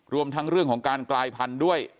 รวมทั้งเรื่องของการกลายพันธุ์ด้วย